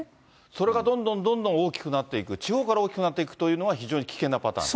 それがどんどんどんどん大きくなっていく、地方から大きくなっていくというのは、非常に危険なパターン。